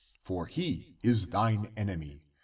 For he is thine enemy.